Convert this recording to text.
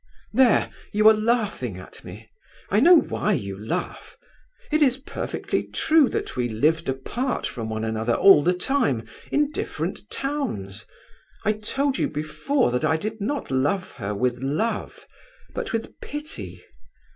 "There, you are laughing at me—I know why you laugh. It is perfectly true that we lived apart from one another all the time, in different towns. I told you before that I did not love her with love, but with pity!